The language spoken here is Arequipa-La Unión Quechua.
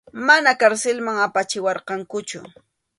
Mana karsilman apachiwarqankuchu.